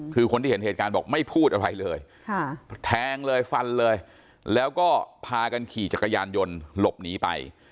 คือคนที่เห็นเหตุการณ์บอกไม่พูดอะไรเลยแทงเลยฟันเลยแล้วก็พากันขี่จักรยานยนต์หลบหนีไป